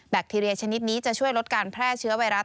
คทีเรียชนิดนี้จะช่วยลดการแพร่เชื้อไวรัส